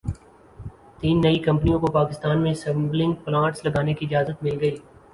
تین نئی کمپنیوں کو پاکستان میں اسمبلنگ پلانٹس لگانے کی اجازت مل گئی